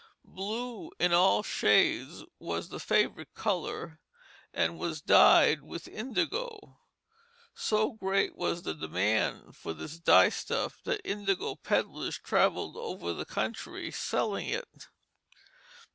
Blue, in all shades, was the favorite color, and was dyed with indigo. So great was the demand for this dye stuff that indigo pedlers travelled over the country selling it.